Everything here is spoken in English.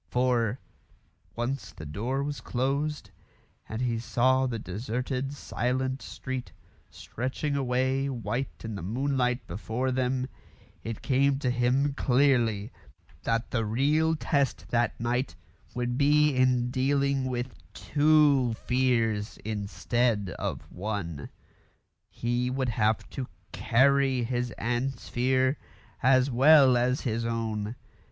For, once the door was closed, and he saw the deserted silent street stretching away white in the moonlight before them, it came to him clearly that the real test that night would be in dealing with two fears instead of one. He would have to carry his aunt's fear as well as his own.